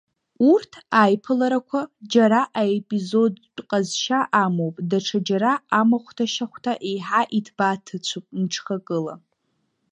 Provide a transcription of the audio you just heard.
Урҭ аиԥыларақәа џьара аепизодтә ҟазшьа амоуп, даҽаџьара амахәҭа-шьахәҭа еиҳа иҭбааҭыцәуп мҽхакыла.